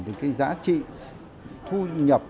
thì cái giá trị thu nhập